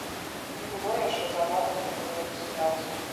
Не было яшчэ загаду пра беларусізацыю.